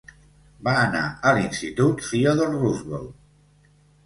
Va anar a l'institut Theodore Roosevelt.